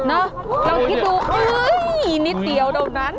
เนอะเราคิดดูอุ๊ยนิดเดี๋ยวเดี๋ยวนั้น